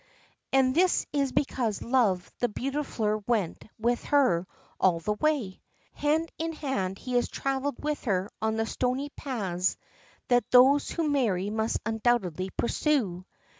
And this is because love the beautifier went with her all the way! Hand in hand he has traveled with her on the stony paths that those who marry must undoubtedly pursue.